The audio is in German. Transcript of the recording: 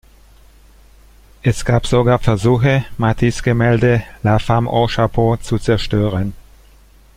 Es gab sogar Versuche, Matisse' Gemälde "La femme au chapeau" zu zerstören.